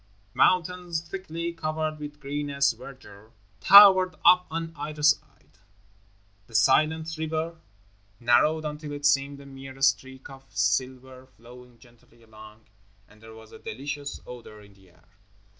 Mountains, thickly covered with greenest verdure, towered up on either side, the silent river narrowed until it seemed a mere streak of silver flowing gently along, and there was a delicious odor in the air.